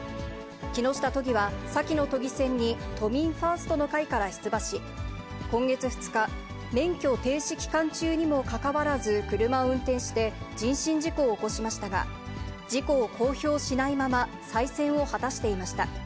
木下都議は先の都議選に都民ファーストの会から出馬し、今月２日、免許停止期間中にもかかわらず、車を運転して、人身事故を起こしましたが、事故を公表しないまま、再選を果たしていました。